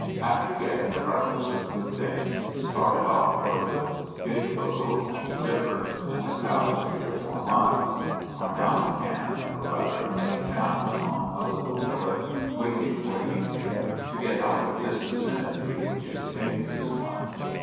After getting a breakfast of good things started off toward the Big Oge chee River, and have traveled three or four miles. Are now 144 FINAL ESCAPE, encamped, or rather laying down, on a little hillock waitin y for evening, to get out of this vicinity which is a dangerous one.